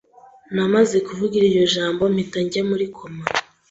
Namaze kuvuga iryo jambo mpita njya muri koma